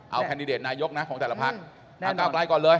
เอาแคนดิเดตนายกนะของแต่ละพัก